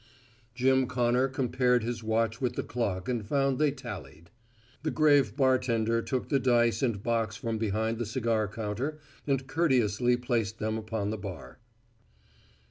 Jim Connor compared his watch with the clock and found they tallied. The grave bartender took the dice and box from behind the cigar counter and courteously placed them upon the bar.